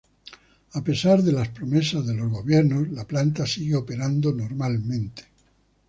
A pesar de las promesas de los gobiernos la planta sigue operando normalmente.